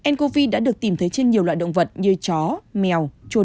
ncov đã được tìm thấy trên nhiều loại động vật như chó mèo chuối